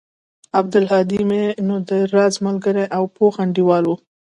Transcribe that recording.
عبدالهادى مې نو د راز ملگرى او پوخ انډيوال و.